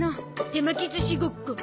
手巻き寿司ごっこ。